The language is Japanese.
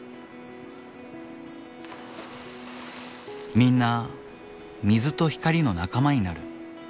みんな水と光の仲間になる。